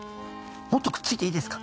もっとくっついていいですか？